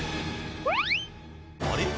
あれ？